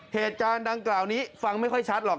เหตุการณ์ดังกล่าวนี้ฟังไม่ค่อยชัดหรอก